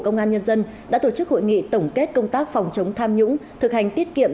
công an nhân dân đã tổ chức hội nghị tổng kết công tác phòng chống tham nhũng thực hành tiết kiệm